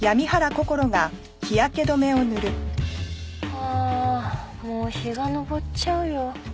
ああもう日が昇っちゃうよ。